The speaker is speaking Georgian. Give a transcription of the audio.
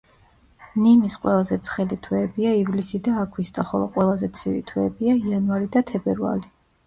ნიმის ყველაზე ცხელი თვეებია ივლისი და აგვისტო, ხოლო ყველაზე ცივი თვეებია იანვარი და თებერვალი.